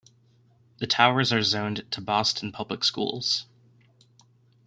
The towers are zoned to Boston Public Schools.